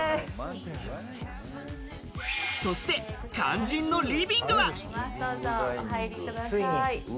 そして肝心のリビングは。